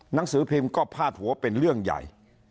หนังสือพิมพ์ก็พาดหัวเป็นเรื่องใหญ่